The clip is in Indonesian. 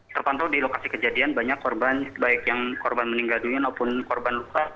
terpantau di lokasi kejadian banyak korban baik yang korban meninggal dunia maupun korban luka